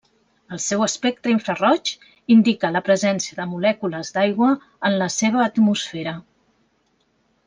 El seu espectre infraroig indica la presència de molècules d'aigua en la seva atmosfera.